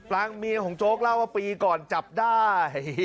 ลังเมียของโจ๊กเล่าว่าปีก่อนจับได้